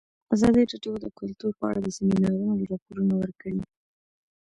ازادي راډیو د کلتور په اړه د سیمینارونو راپورونه ورکړي.